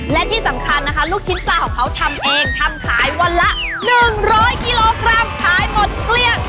และที่สำคัญนะคะลูกชิ้นปลาของเขาทำเองทำขายวันละ๑๐๐กิโลกรัมขายหมดเกลี้ยง